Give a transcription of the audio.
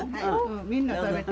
みんな食べて。